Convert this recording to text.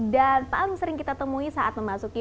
dan paling sering kita temui saat memasuki